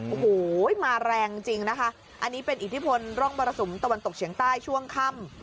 โอ้โหมาแรงจริงนะคะอันนี้เป็นอิทธิพลร่องมรสุมตะวันตกเฉียงใต้ช่วงค่ำ